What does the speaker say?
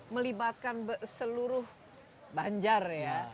melibatkan seluruh banjar ya